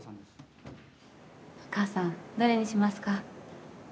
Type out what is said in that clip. お母さんどれにしますか？